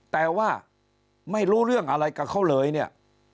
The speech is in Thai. แต่ว่าไม่รู้เรื่องอะไรกับเขาเลยเนี่ย